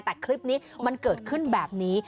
แต่คลิปนี้มันเกิดขึ้นแบบนี้